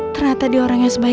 ternyata diorang yang sebaik ini